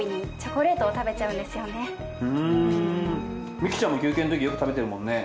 ミキちゃんも休憩のときよく食べてるもんね。